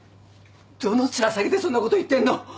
どの面下げてそんなこと言ってんの？